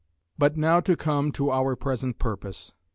"But now to come to our present purpose.